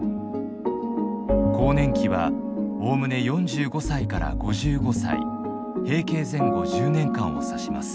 更年期はおおむね４５歳から５５歳閉経前後１０年間を指します。